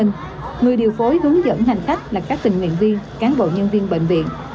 người điều phối hướng dẫn hành khách là các tình nguyện viên cán bộ nhân viên bệnh viện